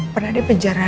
pernah di penjara